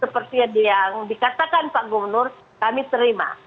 seperti yang dikatakan pak gubernur kami terima